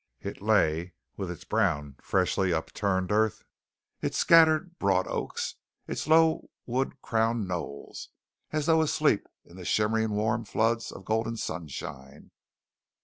It lay, with its brown, freshly upturned earth, its scattered broad oaks, its low wood crowned knolls, as though asleep in the shimmering warm floods of golden sunshine.